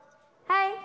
はい。